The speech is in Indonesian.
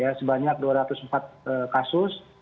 ya sebanyak dua ratus empat kasus